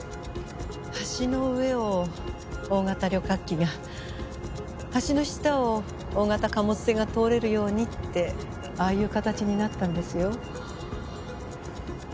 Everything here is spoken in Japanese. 橋の上を大型旅客機が橋の下を大型貨物船が通れるようにってああいう形になったんですよ。